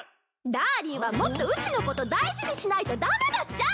ダーリンはもっとうちのこと大事にしないと駄目だっちゃ！